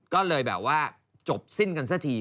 ก็เลยแบบว่าจบสิ้นกันสักที